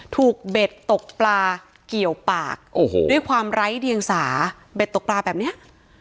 เบ็ดตกปลาเกี่ยวปากโอ้โหด้วยความไร้เดียงสาเบ็ดตกปลาแบบเนี้ย